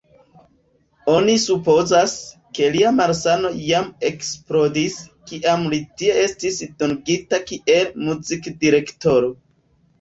Oni supozas, ke lia malsano jam eksplodis, kiam li tie estis dungita kiel muzikdirektoro.